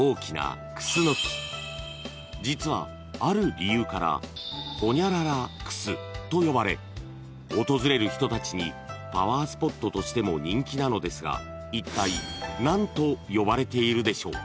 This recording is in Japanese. ［実はある理由からホニャララ楠と呼ばれ訪れる人たちにパワースポットとしても人気なのですがいったい何と呼ばれているでしょう？］